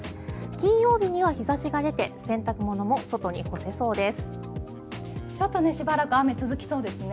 金曜日には日差しが出て洗濯物も外に干せそうです。